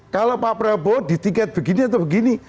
kalau pak prabowo di tiket begini atau begini